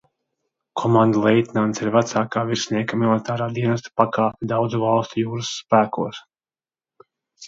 Komandleitnants ir vecākā virsnieka militāra dienesta pakāpe daudzu valstu jūras spēkos.